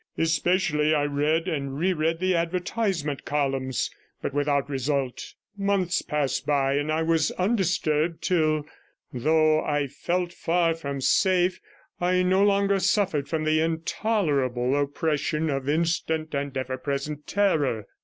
Especially I read and re read the advertisement columns, but without result; months passed by, and I was undisturbed till, though I felt far from safe, I no longer suffered from the intolerable oppression of instant and ever present terror.